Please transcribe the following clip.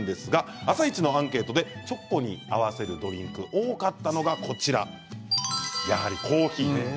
「あさイチ」のアンケートでチョコに合わせるドリンク多かったのがやはりコーヒーです。